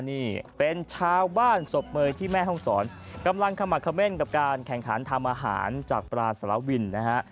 นี่เป็นชาวบ้านศพเมยที่แม่ห้องศรกำลังขมักเม่นกับการแข่งขันทำอาหารจากปลาสารวินนะฮะ